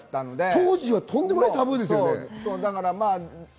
当時はとんでもないタブーですよね。